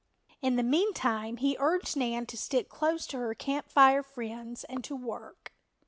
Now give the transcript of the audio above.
In the meantime he urged Nan to stick close to her Camp Fire friends and to work.